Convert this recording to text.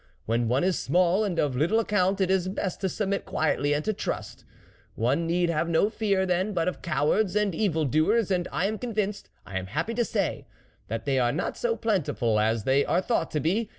When one is small and of little account it is best to submit quietly and to trust ; one need have no fear then but of cowards and evil doers, and I am convinced, I am happy to say, that they are not so plenti ful as they are thought to be.